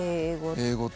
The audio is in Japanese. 英語と。